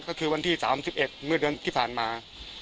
ก็คือวันที่๓๑เมื่อเดือนที่ผ่านมา